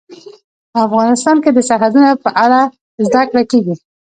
افغانستان کې د سرحدونه په اړه زده کړه کېږي.